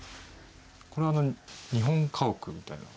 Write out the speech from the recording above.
これは日本家屋みたいな。